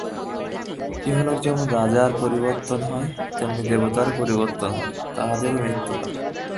ইহলোকে যেমন রাজার পরিবর্তন হয়, তেমনই দেবতাদেরও পরিবর্তন হয়, তাঁহাদেরও মৃত্যু হয়।